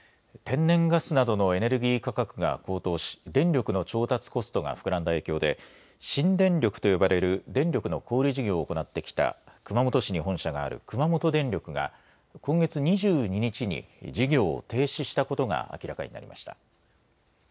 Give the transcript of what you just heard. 天然ガスなどのエネルギー価格が高騰し電力の調達コストが膨らんだ影響で新電力と呼ばれる電力の小売り事業を行ってきた熊本市に本社がある熊本電力が今月２２日に事業を停止したことが明らかになりました。